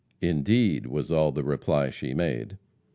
"Indeed!" was all the reply she made.